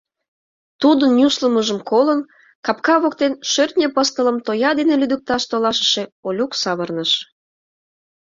Тудын нюслымыжым колын, капка воктен Шӧртньӧ Пыстылым тоя дене лӱдыкташ толашыше Олюк савырныш.